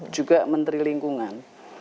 juga menteri lingkungan